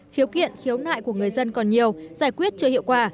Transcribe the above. khiếu kiện khiếu nại của người dân còn nhiều giải quyết chưa hiệu quả